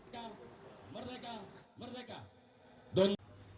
merdeka merdeka merdeka